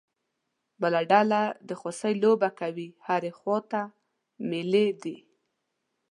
بله ډله د خوسی لوبه کوي، هرې خوا ته مېلې دي.